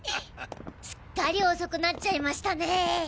すっかり遅くなっちゃいましたね。